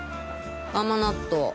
甘納豆。